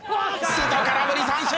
「先頭空振り三振！」